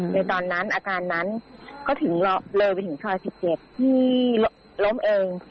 ในตอนนั้นอาการนั้นก็ถึงเลยไปถึงซอย๑๗ที่ล้มเอง